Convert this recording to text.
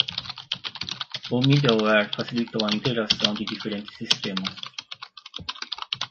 O middleware facilitou a integração de diferentes sistemas.